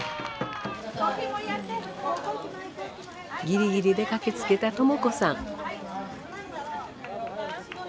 ギリギリで駆けつけた朝子さん。